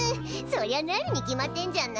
そりゃなるに決まってんじゃない。